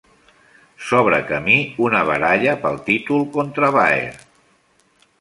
S'obre camí una baralla pel títol contra Baer.